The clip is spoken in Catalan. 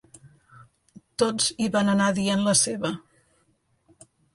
Tots hi van anar dient la seva.